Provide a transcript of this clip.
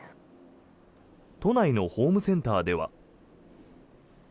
都内のホームセンターでは。